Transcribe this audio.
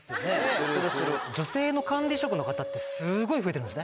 女性の管理職の方ってすごい増えてるんですね。